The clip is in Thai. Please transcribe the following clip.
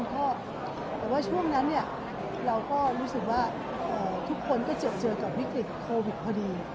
แต่ว่าช่วงนั้นเราก็รู้สึกว่าทุกคนก็เจ็บเจอกับวิกฤตโควิดพอดี